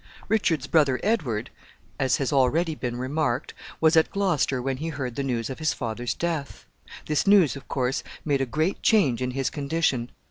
Richard's brother Edward, as has already been remarked, was at Gloucester when he heard the news of his father's death. This news, of course, made a great change in his condition.